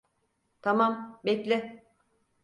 Tamam, bekle.